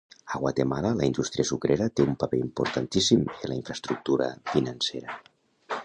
A Guatemala, la indústria sucrera té un paper importantíssim en la infraestructura financera.